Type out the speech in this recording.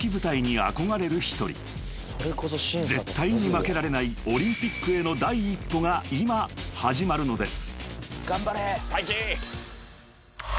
［絶対に負けられないオリンピックへの第一歩が今始まるのです］